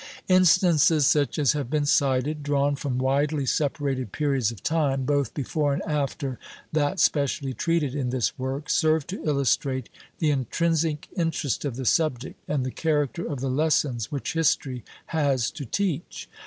Instances such as have been cited, drawn from widely separated periods of time, both before and after that specially treated in this work, serve to illustrate the intrinsic interest of the subject, and the character of the lessons which history has to teach.